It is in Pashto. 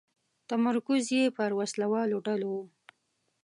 تمرکز یې پر وسله والو ډلو و.